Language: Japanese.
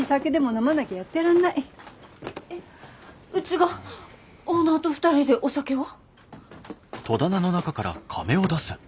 えっうちがオーナーと２人でお酒を？